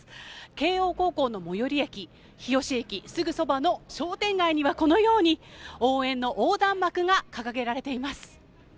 慶応高校の最寄り駅、日吉駅すぐそばの商店街には、このように、応援の横断幕が掲げられています。